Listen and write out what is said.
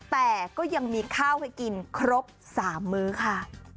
แต่ก็ยังมีข้าวให้กินครบ๓มื้อค่ะ